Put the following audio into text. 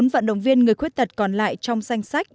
bốn vận động viên người khuyết tật còn lại trong danh sách